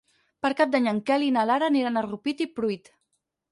Per Cap d'Any en Quel i na Lara aniran a Rupit i Pruit.